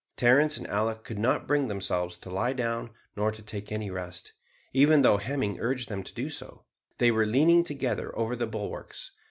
Terence and Alick could not bring themselves to lie down nor take any rest, even though Hemming urged them to do so. They were leaning together over the bulwarks.